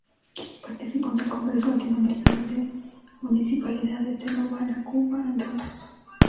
Participó en el Congreso Latinoamericano de Municipalidades, en La Habana, Cuba, entre otros.